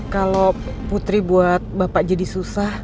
kalau putri buat bapak jadi susah